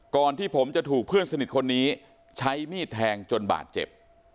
ก่อนที่ผมจะถูกเพื่อนสนิทคนนี้ใช้มีดแทงจนบาดเจ็บ